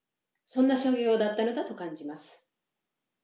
そんな作業だったのだと感じます。